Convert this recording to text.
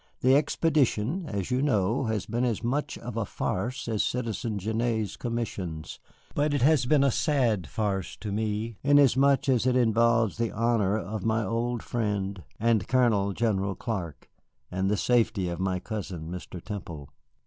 "The expedition, as you know, has been as much of a farce as Citizen Genêt's commissions. But it has been a sad farce to me, inasmuch as it involves the honor of my old friend and Colonel, General Clark, and the safety of my cousin, Mr. Temple."